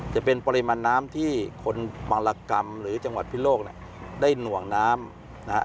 จะเป็นปริมาณน้ำที่คนบางรกรรมหรือจังหวัดพิโลกเนี่ยได้หน่วงน้ำนะฮะ